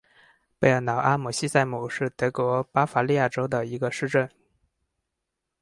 贝尔瑙阿姆希姆塞是德国巴伐利亚州的一个市镇。